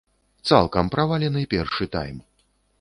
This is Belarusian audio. Цалкам правалены першы тайм.